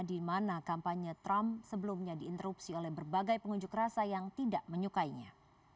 di mana kampanye trump sebelumnya diinterupsi oleh berbagai pengunjuk rasa yang tidak menyukainya